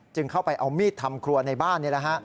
เข้าไปเอามีดทำครัวในบ้านนี่แหละฮะ